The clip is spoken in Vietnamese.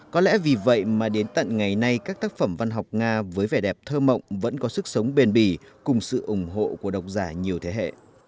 có lẽ vì vậy mà đến tận ngày nay các tác phẩm văn học nga với vẻ đẹp thơ mộng vẫn có sức sống bền bỉ cùng sự ủng hộ của độc giả nhiều thế hệ